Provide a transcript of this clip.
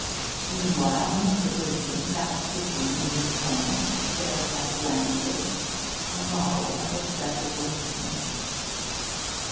Meanwhile Mr. Whiston sat stiffly in his corner, staring at the landscape, a model of respectable muteness.